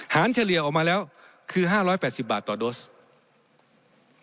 เฉลี่ยออกมาแล้วคือ๕๘๐บาทต่อโดส